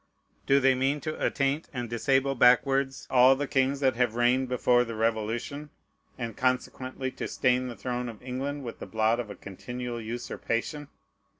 Do they mean to attaint and disable backwards all the kings that have reigned before the Revolution, and consequently to stain the throne of England with the blot of a continual usurpation?